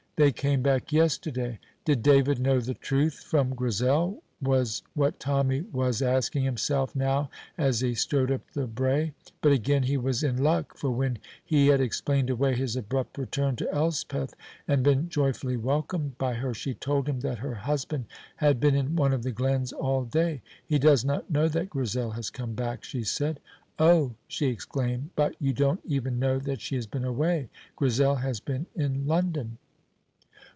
"They came back yesterday." Did David know the truth from Grizel? was what Tommy was asking himself now as he strode up the brae. But again he was in luck, for when he had explained away his abrupt return to Elspeth, and been joyfully welcomed by her, she told him that her husband had been in one of the glens all day. "He does not know that Grizel has come back," she said. "Oh," she exclaimed, "but you don't even know that she has been away! Grizel has been in London."